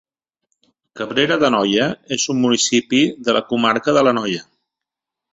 Cabrera d'Anoia és un municipi de la comarca de l'Anoia.